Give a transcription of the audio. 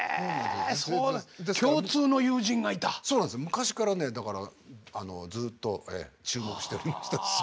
昔からねだからあのずっと注目しておりましたです